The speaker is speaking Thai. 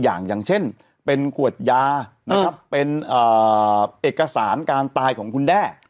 อย่างเช่นเป็นขวดยานะครับเอ่อเป็นเอ่อเอกสารการตายของคุณแด้